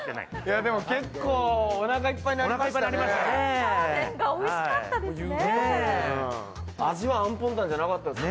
でも結構おなかいっぱいになりましたね。